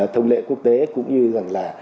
thông lệ quốc tế cũng như rằng là